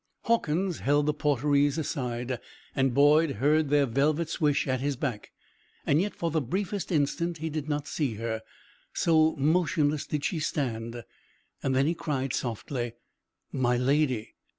Hawkins held the portieres aside and Boyd heard their velvet swish at his back, yet for the briefest instant he did not see her, so motionless did she stand. Then he cried, softly: "My Lady!"